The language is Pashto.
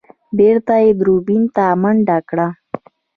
بېرته يې دوربين ته منډه کړه.